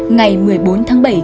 ngày một mươi bốn tháng bảy